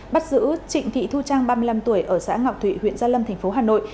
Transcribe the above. bắt giữ trịnh thị thu trang ba mươi năm tuổi ở xã ngọc thụy huyện gia lâm thành phố hà nội